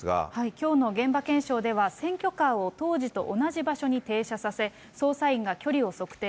きょうの現場検証では、選挙カーを当時と同じ場所に停車させ、捜査員が距離を測定。